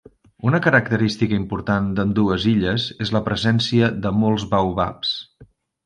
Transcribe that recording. Una característica important d'ambdues illes és la presència de molts baobabs.